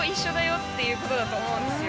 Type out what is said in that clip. っていうことだと思うんですよ